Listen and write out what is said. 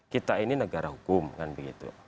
kita ini negara hukum kan begitu